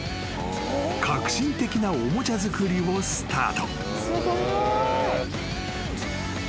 革新的なおもちゃ作りをスタート］